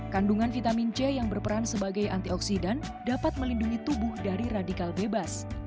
kandungan vitamin c yang berperan sebagai antioksidan dapat melindungi tubuh dari radikal bebas